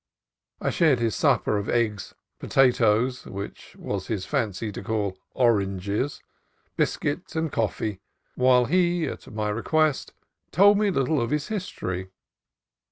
I shared his supper of eggs, potatoes (which it was his fancy to call oranges), biscuit, and coffee, while he, at my request, told me a little of his history.